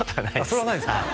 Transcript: それはないですか？